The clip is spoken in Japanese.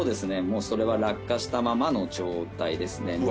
もうそれは落下したままの状態ですね